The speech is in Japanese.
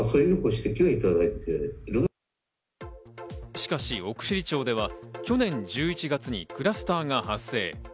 しかし奥尻町では去年１１月にクラスターが発生。